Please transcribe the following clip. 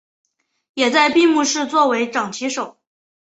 也在闭幕式作为掌旗手。